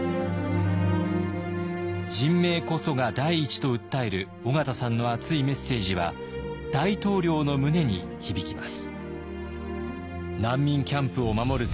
「人命こそが第一」と訴える緒方さんの熱いメッセージは大統領の胸に響きます。